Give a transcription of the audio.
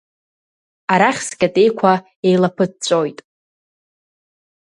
Арахь скьатеиқәа еилаԥыҵәҵәоит!